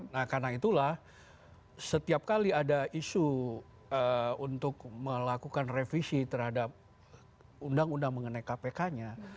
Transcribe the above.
nah karena itulah setiap kali ada isu untuk melakukan revisi terhadap undang undang mengenai kpk nya